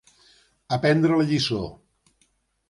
Aprendre la lliçó.